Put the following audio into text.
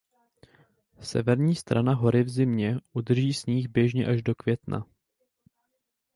Severní strana hory v zimě udrží sníh běžně až do května.